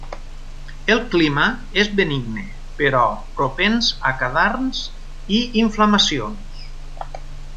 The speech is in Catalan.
El clima és benigne, però propens a cadarns i inflamacions.